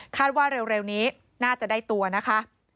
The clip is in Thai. ว่าเร็วนี้น่าจะได้ตัวนะคะ